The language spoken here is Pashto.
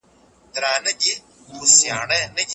زه يـو يــم او دوى دوه دي